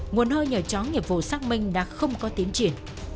nguồn hơi nhờ chó nghiệp vụ xác minh đã không có tiến triển